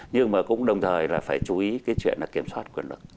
nhưng mà cũng đồng thời là phải chú ý cái chuyện là kiểm soát quyền lực